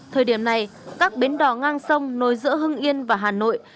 thời điểm này các bến đò ngang sông nồi giữa hưng yên và hà nội